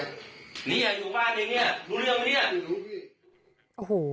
รู้พี่